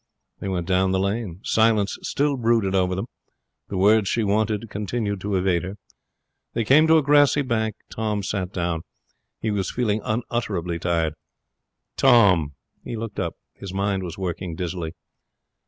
They went down the lane. Silence still brooded over them. The words she wanted continued to evade her. They came to a grassy bank. Tom sat down. He was feeling unutterably tired. 'Tom!' He looked up. His mind was working dizzily.